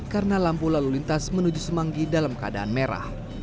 karena lampu lalu lintas menuju semanggi dalam keadaan merah